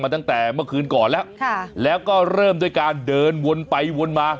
ตั้งแต่เมื่อคืนก่อนแล้วแล้วก็เริ่มด้วยการเดินวนไปวนมา